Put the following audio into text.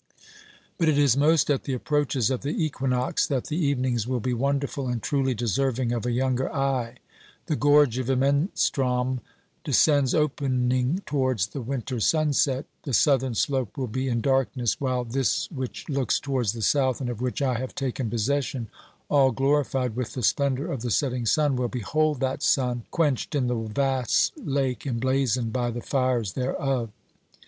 But it is most at the approaches of the equinox that the 292 OBERMANN evenings will be wonderful and truly deserving of a younger eye. The gorge of Imenstrom descends opening towards the winter sunset, the southern slope will be in darkness, while this which looks towards the south, and of which I have taken possession, all glorified with the splendour of the setting sun, will behold that sun quenched in the vast lake emblazoned by the fires thereof.